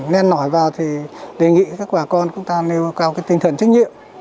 nên nổi vào thì đề nghị các bà con chúng ta nêu cao cái tinh thần trách nhiệm